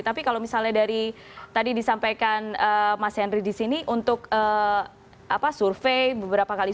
tapi kalau misalnya dari tadi disampaikan mas henry di sini untuk survei beberapa kali